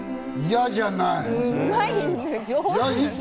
嫌じゃない。